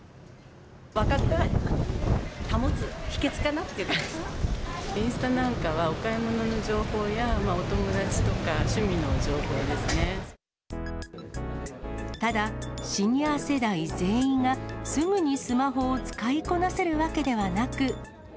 若さを保つ秘けつかなっていインスタなんかは、お買い物の情報や、お友達とか、ただ、シニア世代全員がすぐにスマホを使いこなせるわけではなく。